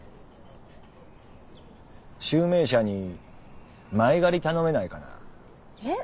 集明社に前借り頼めないかな？え？